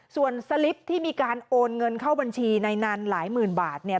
ส่วนสลิปที่มีการโอนเงินเข้าบัญชีในนั้นหลายหมื่นบาทเนี่ย